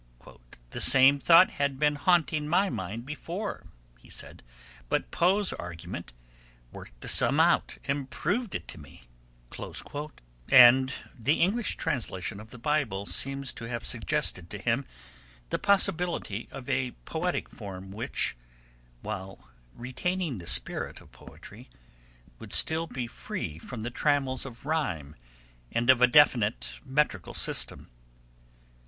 'The same thought had been haunting my mind before,' he said, 'but Poe's argument ... work'd the sum out, and proved it to me,' and the English translation of the Bible seems to have suggested to him the possibility of a poetic form which, while retaining the spirit of poetry, would still be free from the trammels of rhyme and of a definite metrical system.